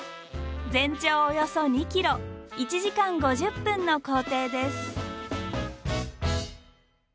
全長およそ２ｋｍ１時間５０分の行程です。